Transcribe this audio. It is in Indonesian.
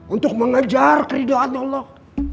untuk mengejar keridauan allah